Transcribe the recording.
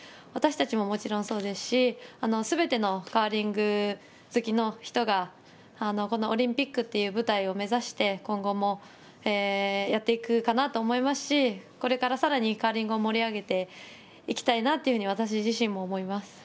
私たちももちろんそうですし、すべてのカーリング好きの人が、このオリンピックという舞台を目指して、今後もやっていくかなと思いますし、これからさらに、カーリングを盛り上げていきたいなというふうに、私自身も思います。